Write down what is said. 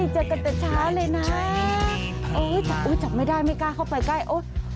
เจอกันแต่ช้าเลยนะจับไม่ได้ไม่กล้าเข้าไปใกล้โอ๊ย